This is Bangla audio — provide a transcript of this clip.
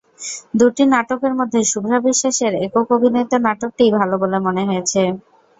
দুটি নাটকের মধ্যে শুভ্রা বিশ্বাসের একক অভিনীত নাটকটিই ভালো বলে মনে হয়েছে।